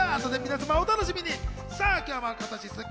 皆様、お楽しみに。